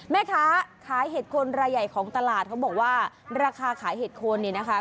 แม่ค้าขายเห็ดโคนรายใหญ่ของตลาดเขาบอกว่าราคาขายเห็ดโคนเนี่ยนะคะ